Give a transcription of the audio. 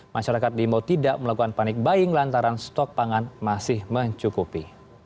masyarakat limpo tidak melakukan panik baiing lantaran stok pangan masih mencukupi